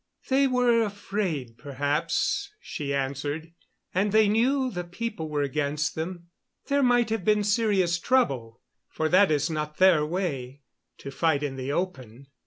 "They were afraid, perhaps," she answered. "And they knew the people were against them. There might have been serious trouble; for that is not their way to fight in the open."